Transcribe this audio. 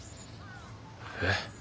えっ？